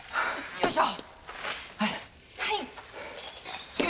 よいしょ！